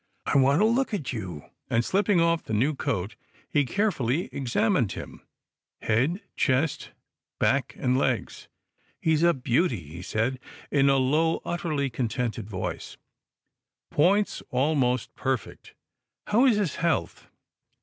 " I want to look at you," and, slipping off the new coat, he carefully examined him, head, chest, back and legs. " He's a beauty," he said in a low, utterly contented voice, " points almost perfect. How is his health?"